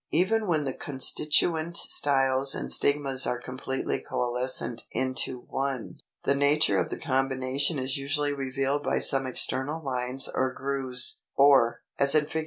Even when the constituent styles and stigmas are completely coalescent into one, the nature of the combination is usually revealed by some external lines or grooves, or (as in Fig.